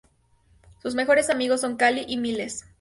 Sus mejores amigos son Cali y Miles.